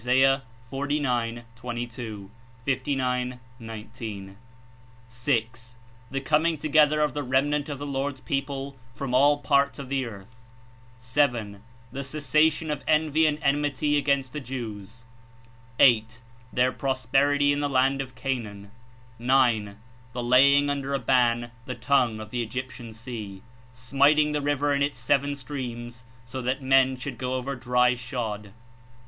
49.22: 59.19) — (6) the coming together of the remnant of the Lord's people from all parts of the earth — (7) the cessation of envy and enmity against the Jews — (8) their prosperity in the Land of Canaan — (9) the "laying under a ban the tongue of the Egyptian sea" — smiting the river in its seven streams so that men should go over dry shod.